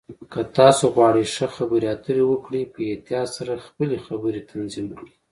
که تاسو غواړئ ښه خبرې اترې وکړئ، په احتیاط سره خپلې خبرې تنظیم کړئ.